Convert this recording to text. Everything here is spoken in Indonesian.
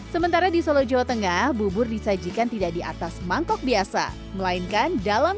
sementara di solo jawa tengah bubur disajikan tidak di atas mangkok biasa melainkan dalam